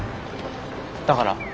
だから？